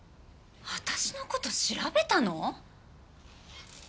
私のこと調べたの？